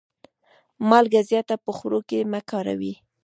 مالګه زیاته په خوړو کي مه کاروئ.